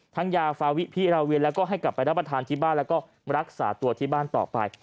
ยาฟาวิพิราเวียนแล้วก็ให้กลับไปรับประทานที่บ้านแล้วก็รักษาตัวที่บ้านต่อไป